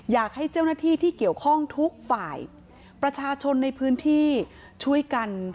อยากให้เจ้าหน้าที่ที่เกี่ยวข้องทุกฝ่ายประชาชนในพื้นที่ช่วยกัน